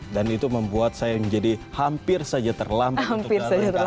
dan itu membuat saya menjadi hampir saja terlambat